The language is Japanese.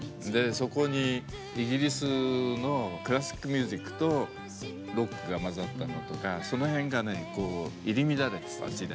そこにイギリスのクラシックミュージックとロックが混ざったのとかその辺がねこう入り乱れてた時代。